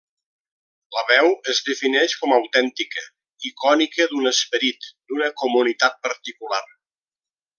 La veu es defineix com autèntica, icònica d’un esperit, d’una comunitat particular.